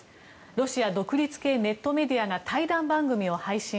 ロシア独立系ネットメディアが対談番組を配信。